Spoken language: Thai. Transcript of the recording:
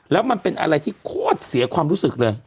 แล้วมันเป็นอะไรที่โคตรเสียความรู้สึกเลย